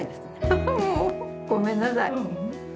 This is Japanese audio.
フフごめんなさい。